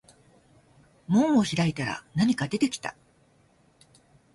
門を開いたら何か出てきた